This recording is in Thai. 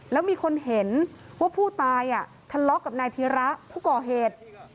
แล้วมีคนเห็นว่าผู้ตายทะเลาะกับนายธีระผู้ก่อเหตุ